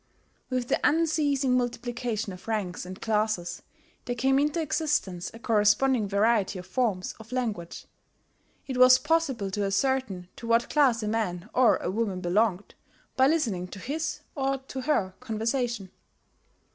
With the unceasing multiplication of ranks and classes there came into existence a corresponding variety of forms of language: it was possible to ascertain to what class a man or a woman belonged by listening to his or to her conversation.